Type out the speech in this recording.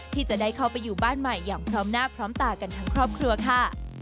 ที่จะได้เข้าไปอยู่บ้านใหม่อย่างพร้อมหน้าพร้อมตากันทั้งครอบครัวค่ะ